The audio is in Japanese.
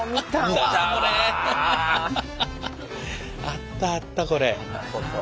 あったあったこれ。